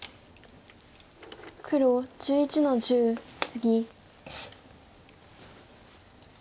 黒１１の十ツギ。